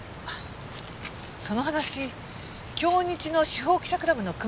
その話京日の司法記者クラブの熊谷さんから？